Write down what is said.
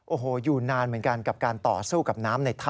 โอ้โฮอยู่นานเหมือนกัน